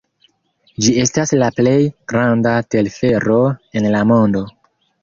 Ĝi estas la plej granda telfero en la mondo.